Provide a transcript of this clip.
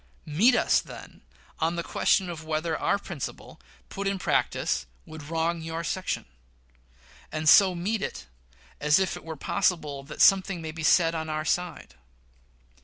Meet us, then, on the question of whether our principle, put in practice, would wrong your section; and so meet us as if it were possible that something may be said on our side.